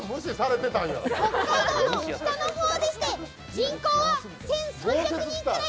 北海道の北のほうでして、人口は１３００人くらい。